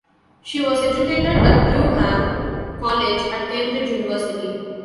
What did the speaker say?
She was educated at Newnham College at Cambridge University.